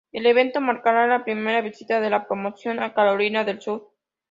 El evento marcará la primera visita de la promoción a Carolina del Sur.